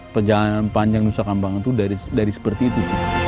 perjalanan panjang nusa kambangan itu dari seperti itu